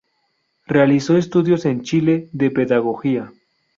Realizó estudios en Chile de pedagogía.